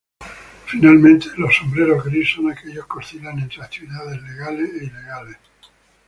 Finalmente, los Sombrero Gris son aquellos que oscilan entre actividades legales e ilegales.